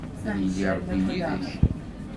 Ad yili Ṛebbi yid-k.